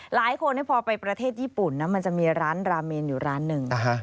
หลายคนพอไปประเทศญี่ปุ่นนะมันจะมีร้านราเมนอยู่ร้านหนึ่ง